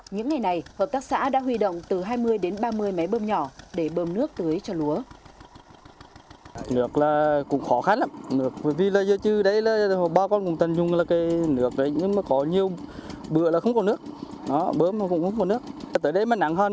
những ngày này hợp tác xã đã huy động từ hai mươi đến ba mươi máy bơm nhỏ